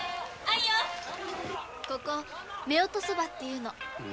ここ「夫婦ソバ」って言うの。